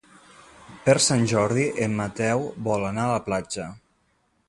Per Sant Jordi en Mateu vol anar a la platja.